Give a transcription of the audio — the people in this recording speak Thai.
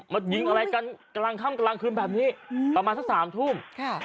มันยิงอะไรกันกำลังค่ำกำลังคืนแบบนี้ประมาณสักสามทุ่มค่ะ